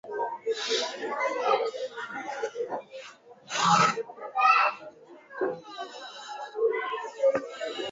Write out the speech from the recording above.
پاڻ صبح ھلنداسين